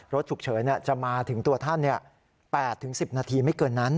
รถฉุกเฉินจะมาถึงตัวท่าน๘๑๐นาทีไม่เกินนั้น